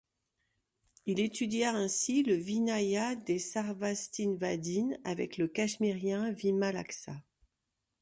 Il étudia ainsi le vinaya des Sarvāstivādin avec le cachemirien Vimalākşa.